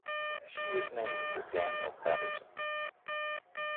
She was named for Daniel Patterson.